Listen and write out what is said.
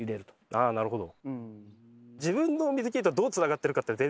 ああなるほど。